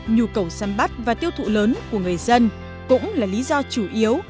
nhu cầu săn bắt và tiêu thụ lớn của người dân cũng là lý do chủ yếu